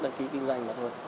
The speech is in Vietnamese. đăng ký kinh doanh của tp